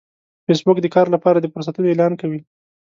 فېسبوک د کار لپاره د فرصتونو اعلان کوي